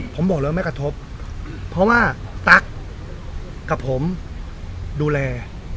ผมบอกแล้วไม่กระทบเพราะว่าตั๊กกับผมดูแล